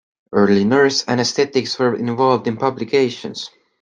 Early nurse anesthetists were involved in publications.